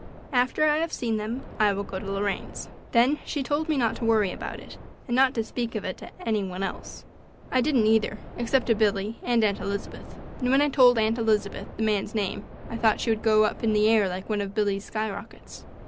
After I have seen them I will go to Lorraine's." Then she told me not to worry about it, and not to speak of it to any one else. I didn't, either, except to Billy and Aunt Elizabeth; and when I told Aunt Elizabeth the man's name I thought she would go up into the air like one of Billy's skyrockets.